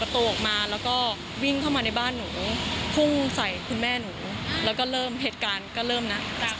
ตั้งแต่จุดนั้น